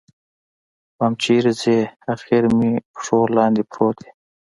ويم چېرې ځې اخېر به مې پښو لاندې پروت يې.